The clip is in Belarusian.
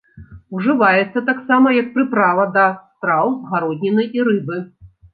Ужываецца таксама як прыправа да страў з гародніны і рыбы.